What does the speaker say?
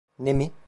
Ne mi?